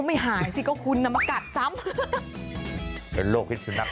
ไม่หายซิก็คุณน้ำมะกัดซ้ำ